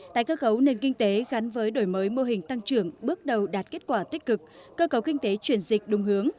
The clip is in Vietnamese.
tài cơ cấu nền kinh tế gắn với đổi mới mô hình tăng trưởng bước đầu đạt kết quả tích cực cơ cấu kinh tế chuyển dịch đúng hướng